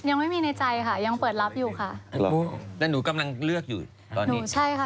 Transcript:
ยังไม่มีในใจค่ะยังเปิดรับอยู่ค่ะแต่หนูกำลังเลือกอยู่ตอนนี้หนูใช่ค่ะ